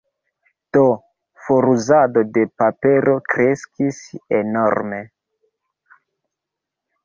Do foruzado de papero kreskis enorme.